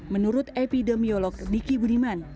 menurut epidemiolog diki budiman